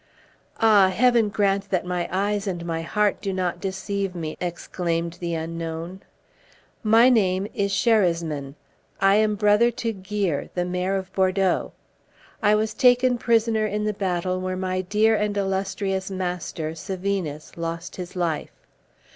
"Ah! Heaven grant that my eyes and my heart do not deceive me," exclaimed the unknown; "my name is Sherasmin; I am brother to Guire, the Mayor of Bordeaux. I was taken prisoner in the battle where my dear and illustrious master, Sevinus, lost his life.